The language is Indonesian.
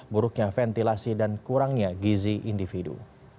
buruknya ventilasi dan kurangnya gizi individu